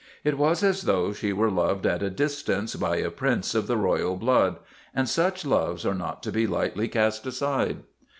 It was as though she were loved at a distance by a prince of the royal blood; and such loves are not to be lightly cast aside.